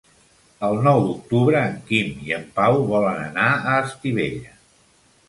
El nou d'octubre en Quim i en Pau volen anar a Estivella.